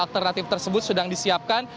alternatif tersebut sudah disiapkan